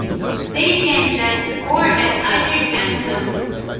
They can then score at either end zone.